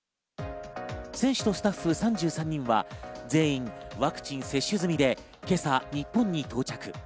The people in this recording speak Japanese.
選手とスタッフ３３人は全員ワクチン接種済みで今朝、日本に到着。